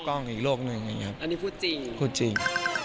กล้องอีกโลกหนึ่งนะครับอันนี้พูดจริงพูดจริง